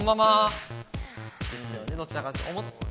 どちらかというと。